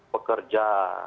saya berdua pekerja